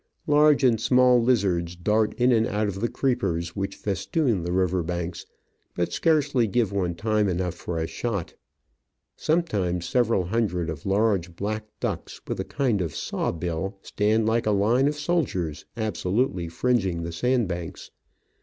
Large and small lizards dart in and out of the creepers which festoon the river banks, but scarcely give one time enough for a shot. Sometimes several hundred of large black ducks, with a kind of saw bill, stand like a line of soldiers, absolutely fringing the sandbanks.